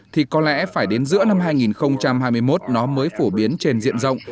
thì có lẽ phải đến giữa năm hai nghìn hai mươi một nó mới phổ biến trên diện rộng